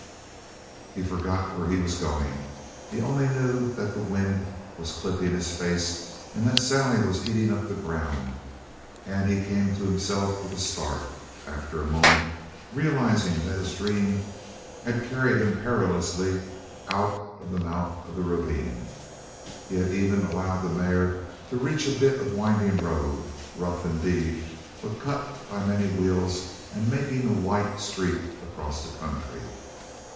He forgot where he was going. He only knew that the wind was clipping his face and that Sally was eating up the ground, and he came to himself with a start, after a moment, realizing that his dream had carried him perilously out of the mouth of the ravine. He had even allowed the mare to reach a bit of winding road, rough indeed, but cut by many wheels and making a white streak across the country.